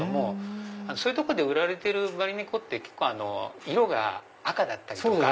そういうとこで売られてるバリネコって色が赤だったりとか。